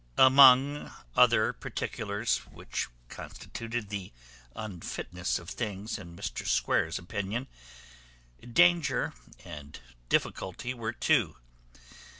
Among other particulars which constituted the unfitness of things in Mr Square's opinion, danger and difficulty were two.